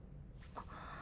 あっ。